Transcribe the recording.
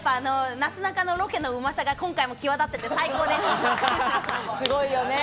なすなかのロケのうまさが今回も際立ってて最高です。